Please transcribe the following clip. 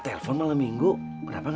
telepon malam minggu behaviors